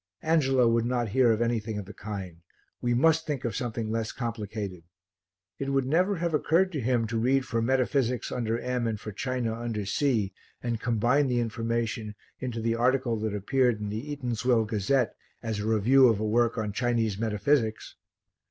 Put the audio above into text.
Angelo would not hear of anything of the kind; we must think of something less complicated. It would never have occurred to him to read for Metaphysics under M and for China under C, and combine the information into the article that appeared in the Eatanswill Gazette as a review of a work on Chinese Metaphysics.